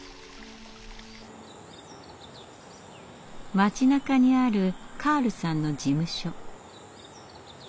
町なかにあるカールさんの事務所。